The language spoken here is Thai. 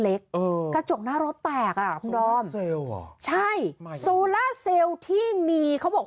เออโซลาร์เซลล์เหรอใช่โซลาร์เซลล์ที่มีเขาบอก